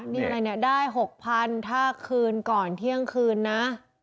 นี่อะไรเนี่ยได้๖๐๐๐ถ้าคืนก่อนเที่ยงคืนนะ